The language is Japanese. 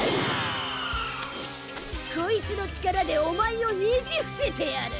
コイツの力でお前をねじ伏せてやる！